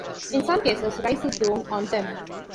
In some cases, rice is grown on them.